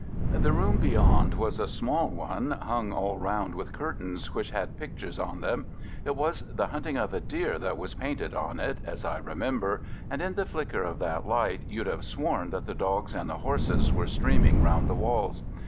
The room beyond was a small one, hung all round with curtains which had pictures on them. It was the hunting of a deer that was painted on it, as I remember, and in the flicker of that light you'd have sworn that the dogs and the horses were streaming round the walls.